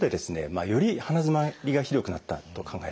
より鼻づまりがひどくなったと考えられますね。